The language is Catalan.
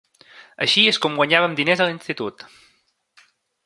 Així és com guanyàvem diners a l'institut.